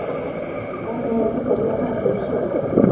阿年人口变化图示